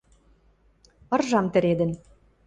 Ыржам тӹредӹн.